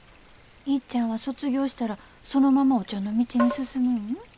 いっちゃんは卒業したらそのままお茶の道に進むん？